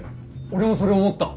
俺もそれ思った。